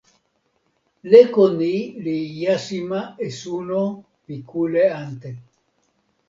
leko ni li jasima e suno pi kule ante.